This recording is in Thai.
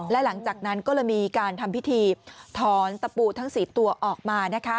และหลังจากนั้นก็เลยมีการทำพิธีถอนตะปูทั้ง๔ตัวออกมานะคะ